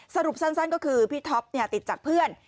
สรุปสั้นก็คือพี่ท็อปติดจากเพื่อน